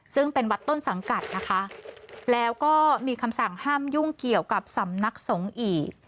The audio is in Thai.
ซึ่งเป็นวัดต้นสังกัดนะคะแล้วก็มีคำสั่งห้ามยุ่งเกี่ยวกับสำนักสงฆ์อีก